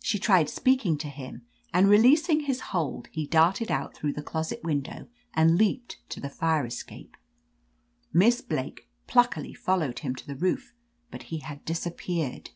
She tried speaking to him, and releasing his hold, he darted out through the closet window and leaped to the fire escape Miss Blake pluckily followed him to the roof, but he had disap peared.